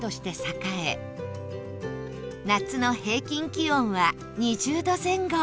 夏の平均気温は２０度前後